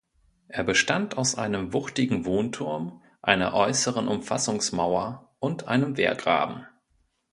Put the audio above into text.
Er bestand aus einem wuchtigen Wohnturm, einer äußeren Umfassungsmauer und einem Wehrgraben.